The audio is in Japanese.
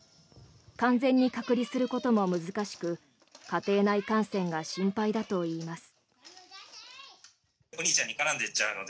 完全に隔離することも難しく家庭内感染が心配だといいます。